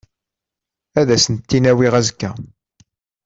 Ad as-tent-in-awiɣ azekka.